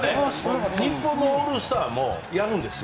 日本のオールスターもやるんですよ。